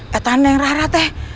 kita harus berhati hati